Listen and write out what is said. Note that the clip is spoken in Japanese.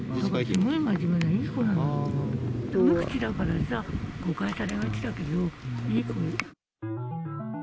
無口だからさ、誤解されがちだけど、いい子よ。